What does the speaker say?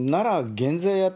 減税やっ